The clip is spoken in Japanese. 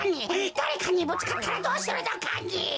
だれかにぶつかったらどうするのかね。